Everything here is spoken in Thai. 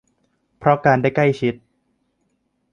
เพราะการได้ใกล้ชิด